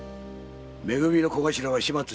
め組の小頭は始末したか？